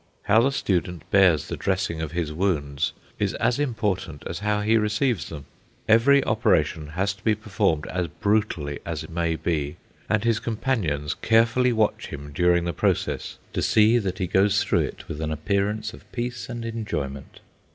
How the student bears the dressing of his wounds is as important as how he receives them. Every operation has to be performed as brutally as may be, and his companions carefully watch him during the process to see that he goes through it with an appearance of peace and enjoyment.